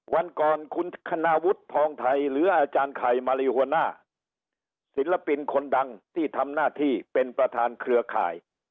วันก่อนคุณคณวุฒิทองไทยหรืออาจารย์ไข่มารีหัวหน้าศิลปินคนดังที่ทำหน้าที่เป็นประธานเครือข่าย